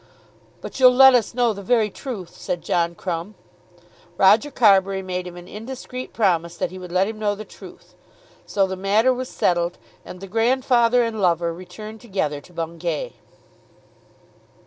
"But you'll let us know the very truth," said John Crumb. Roger Carbury made him an indiscreet promise that he would let him know the truth. So the matter was settled, and the grandfather and lover returned together to Bungay.